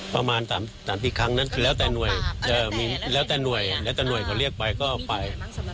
ประมาณตามสี่ครั้งแล้วแต่หน่วยเค้าเรียกไปก็ไป